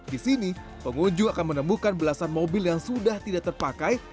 di sini pengunjung akan menemukan belasan mobil yang sudah tidak terpakai